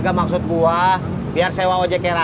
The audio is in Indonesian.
gagah maksud gua biar sewa aja kaya rame